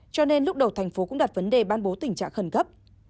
cho nên lúc đầu thành phố cũng đặt vấn đề ban bố tình trạng khẩn cấp